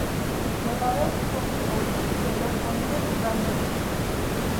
მდებარეობს სუმის ოლქის ბელოპოლიეს რაიონში.